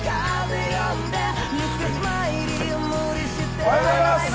おはようございます。